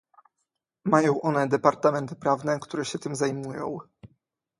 Mają one departamenty prawne, które się tym zajmują